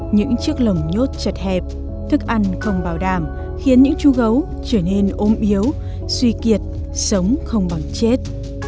những chiếc lồng nhốt chật hẹp thức ăn không bảo đảm khiến những chú gấu trở nên ôm yếu suy kiệt sống không bằng chết